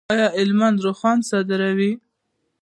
آیا د هلمند رخام صادریږي؟